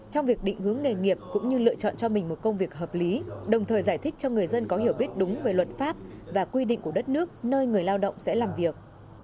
trong việc định hướng nghề nghiệp cũng như lựa chọn cho mình một công việc hợp lý đồng thời giải thích cho người dân có hiểu biết đúng về luật pháp và quy định của đất nước nơi người lao động sẽ làm việc